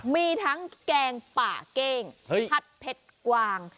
มีทั้งแกงป่าเก้งผัดเผ็ดกวาง